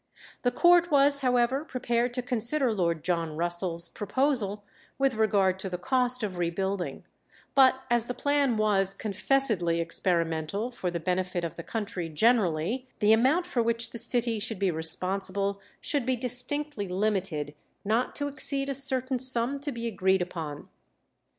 The court was, however, prepared to consider Lord John Russell's proposal with regard to the cost of rebuilding; but as the plan was "confessedly experimental, for the benefit of the country generally, the amount for which the city should be responsible should be distinctly limited not to exceed a certain sum to be agreed upon."